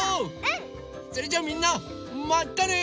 それじゃあみんなまたね！